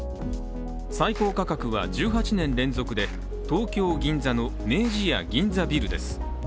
最高価格は１８年連続で東京・銀座の明治屋銀座ビルです。